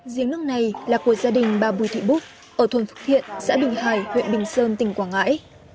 diếng nước này là của gia đình ba bùi thị bút ở thôn phước thiện xã bình hải huyện bình sơn tỉnh quảng ngãi